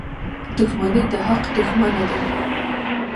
• دښمني د حق دښمنه ده.